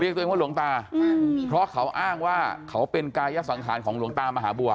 ตัวเองว่าหลวงตาเพราะเขาอ้างว่าเขาเป็นกายสังขารของหลวงตามหาบัว